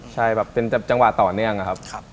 ใช่แบบเป็นจังหวะต่อเนื่องนะครับ